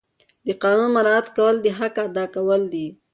د قانون مراعات کول د حق ادا کول دي.